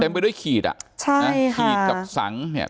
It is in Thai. ไปด้วยขีดอ่ะใช่นะขีดกับสังเนี่ย